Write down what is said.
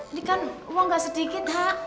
ini kan uang ga sedikit ha